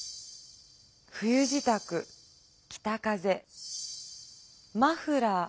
冬じたく北風マフラー